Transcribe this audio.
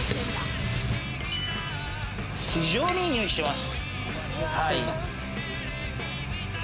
非常にいい匂いしてます。